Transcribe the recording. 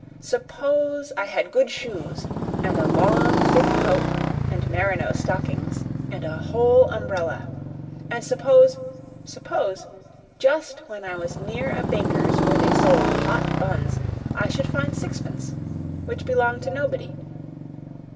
"Suppose I had good shoes and a long, thick coat and merino stockings and a whole umbrella. And suppose suppose just when I was near a baker's where they sold hot buns, I should find sixpence which belonged to nobody.